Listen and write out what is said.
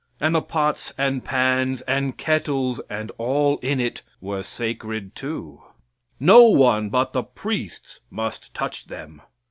And the pots and pans and kettles and all in it were sacred too. No one but the priests must touch them.